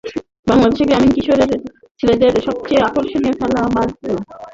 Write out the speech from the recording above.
বাংলাদেশের গ্রামীণ কিশোর ছেলেদের সবচেয়ে আকর্ষণীয় খেলা মার্বেল।